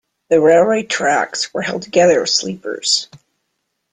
The railway tracks were held together with sleepers